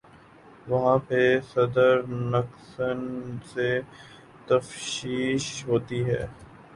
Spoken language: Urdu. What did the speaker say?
وہاں پہ صدر نکسن سے تفتیش ہوتی ہے۔